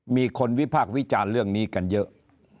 มีคนวิพากษ์วิจารณ์เรื่องนี้กันเยอะ